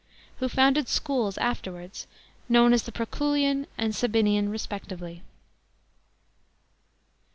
who founded schools afterwards known as the Proculian and Sabinian respectively.